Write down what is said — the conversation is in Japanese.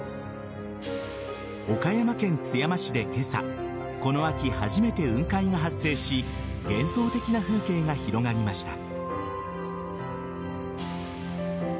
岡山県津山市で今朝この秋初めて雲海が発生し幻想的な風景が広がりました。